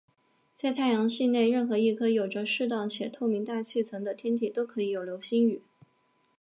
在太阳系内任何一颗有着适当且透明大气层的天体都可以有流星雨。